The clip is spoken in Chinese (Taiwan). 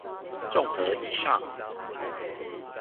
綜合以上